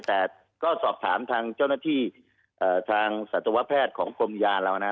แต่ก็สอบถามทางเจ้าหน้าที่ทางสัตวแพทย์ของกรมยาเรานะ